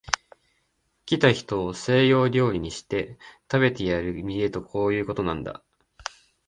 来た人を西洋料理にして、食べてやる家とこういうことなんだ